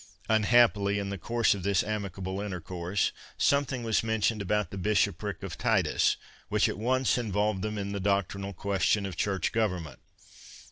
Unhappily, in the course of this amicable intercourse, something was mentioned about the bishopric of Titus, which at once involved them in the doctrinal question of Church Government.